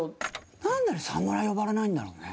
なんで、あれ侍、呼ばれないんだろうね。